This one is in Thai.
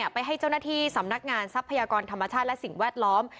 ไปให้เจ้าหน้าที่สำนักงานทรัพยากรธรรมชาติและสิ่งแวดล้อม